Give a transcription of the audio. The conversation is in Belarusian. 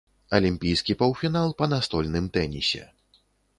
Алімпійскі паўфінал па настольным тэнісе.